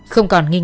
không còn nghi ngờ